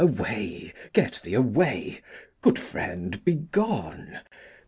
Away, get thee away! Good friend, be gone.